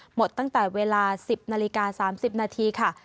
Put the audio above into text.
หมดตั้งแต่เวลา๑๐นาฬิกา๓๐นาทีค่ะ